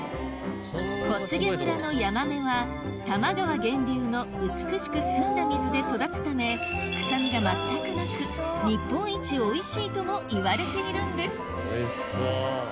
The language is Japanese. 小菅村のヤマメは多摩川源流の美しく澄んだ水で育つため臭みが全くなく日本一おいしいともいわれているんですおいしそう。